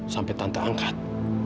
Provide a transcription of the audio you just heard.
sampai tante angkat